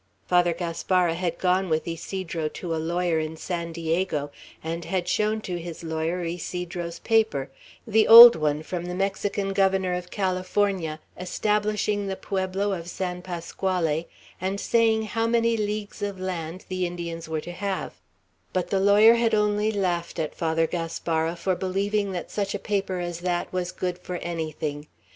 Father Gaspara had gone with Ysidro to a lawyer in San Diego, and had shown to his lawyer Ysidro's paper, the old one from the Mexican Governor of California, establishing the pueblo of San Pasquale, and saying how many leagues of land the Indians were to have; but the lawyer had only laughed at Father Gaspara for believing that such a paper as that was good for anything.